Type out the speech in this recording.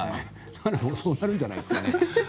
そうなるんじゃないですかね。